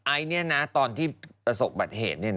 ไอซ์ตอนที่ประสบบัติเหตุ